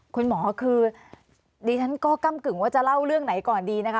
คุณหมอคือดิฉันก็กำกึ่งว่าจะเล่าเรื่องไหนก่อนดีนะคะ